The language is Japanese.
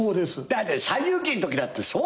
だって『西遊記』のときだってそうだよ。